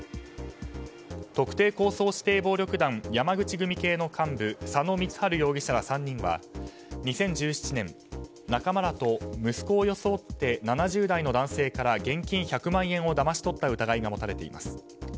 特定抗争指定暴力団山口組系の幹部佐野光治容疑者ら３人は２０１７年、仲間らと息子を装って７０代の男性から現金１００万円をだまし取った疑いが持たれています。